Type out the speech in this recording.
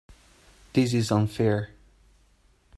This is unfair.